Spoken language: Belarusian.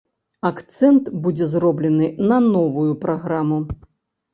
Акцэнт будзе зроблены на новую праграму.